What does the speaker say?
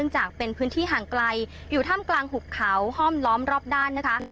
จากเป็นพื้นที่ห่างไกลอยู่ถ้ำกลางหุบเขาห้อมล้อมรอบด้านนะคะ